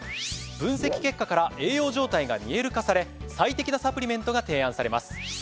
分析結果から栄養状態が見える化され最適なサプリメントが提案されます。